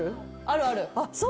あるある。